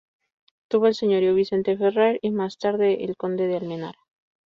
Tuvo el señorío Vicente Ferrer y más tarde el Conde de Almenara.